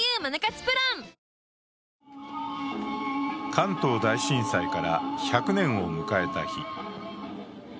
関東大震災から１００年を迎えた日。